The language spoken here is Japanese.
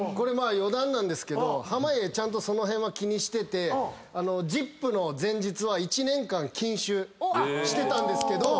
余談ですけど濱家ちゃんとその辺は気にしてて『ＺＩＰ！』の前日は１年間禁酒してたんですけど『ＺＩＰ！』